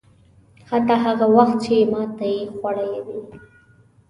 حتی هغه وخت چې ماته یې خوړلې وي.